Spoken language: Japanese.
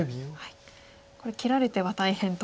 これ切られては大変と。